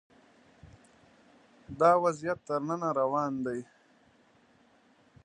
دا وضعیت تر ننه روان دی